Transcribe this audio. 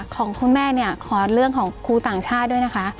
ของคุณแม่เนี่ยขอเรื่องของครูต่างชาติด้วยนะคะ